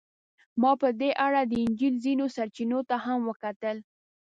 ما په دې اړه د انجیل ځینو سرچینو ته هم وکتل.